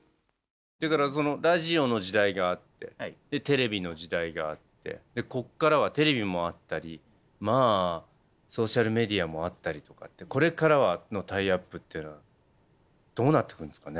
だからそのラジオの時代があってテレビの時代があってこっからはテレビもあったりまあソーシャルメディアもあったりとかってこれからのタイアップっていうのはどうなってくんですかね？